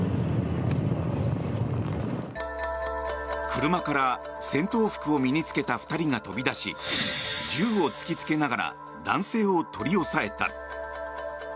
車から、戦闘服を身に着けた２人が飛び出し銃を突きつけながら男性を取り押さえた。